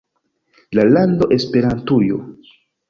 La lando Esperantujo.